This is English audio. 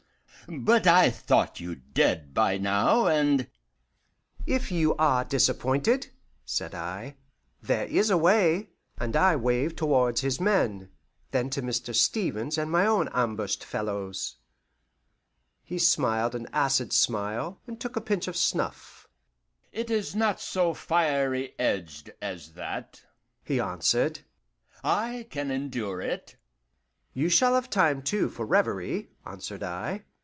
But I thought you dead by now, and " "If you are disappointed," said I, "there is a way"; and I waved towards his men, then to Mr. Stevens and my own ambushed fellows. He smiled an acid smile, and took a pinch of snuff. "It is not so fiery edged as that," he answered; "I can endure it." "You shall have time too for reverie," answered I.